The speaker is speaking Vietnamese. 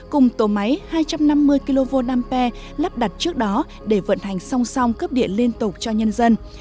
cùng tổ máy hai trăm năm mươi kv nam p lắp đặt trước đó để vận hành song song cấp điện liên tục cho nhân dân